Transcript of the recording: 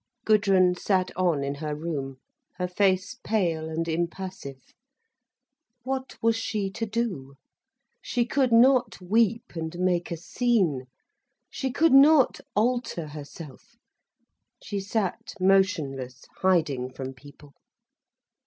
Gudrun sat on in her room, her face pale and impassive. What was she to do? She could not weep and make a scene. She could not alter herself. She sat motionless, hiding from people.